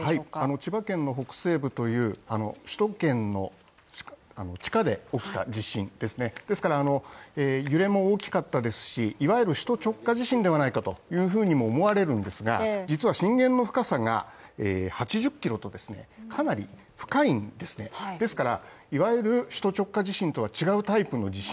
千葉県北西部という首都圏の地下で起きた地震ですねですから揺れも大きかったですしいわゆる首都直下地震ではないかとも思われるんですが実は震源の深さが８０ｋｍとですから、いわゆる首都直下地震とは違うタイプの地震。